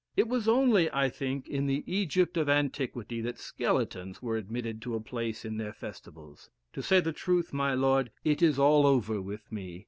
It was only, I think, in the Egypt of antiquity that skeletons were admitted to a place in their festivals. To say the truth, my lord, it is all over with me.